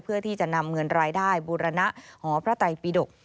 เพื่อที่จะนำเงินรายได้บูรณะหอพระไตปิดก